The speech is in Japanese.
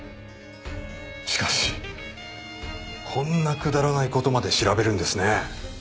しかしこんなくだらない事まで調べるんですね。